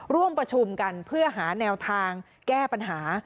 ร่วมประชุมกันเพื่อหาแนวทางแก้ปัญหา